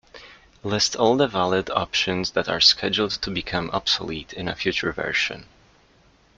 List all the valid options that are scheduled to become obsolete in a future version.